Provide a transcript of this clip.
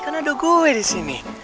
kan ada gue disini